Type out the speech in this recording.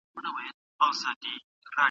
د هر چا حق په بشپړ ډول ورکول کیږي.